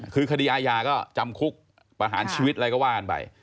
คือคดีอาญาก็จำคุกประหารชีวิตอะไรก็ว่ากันไป